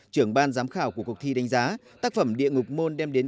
trưởng ban giám khảo của cuộc thi đánh giá tác phẩm địa ngục môn đem đến